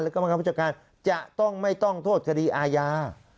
กรรมการผู้จัดการจะต้องไม่ต้องโทษคดีอาญา